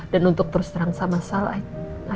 dan untuk terus terang sama salah